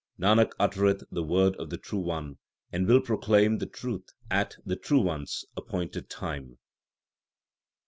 1 Nanak uttereth the word of the True One, and will pro claim the truth at the True One s appointed time.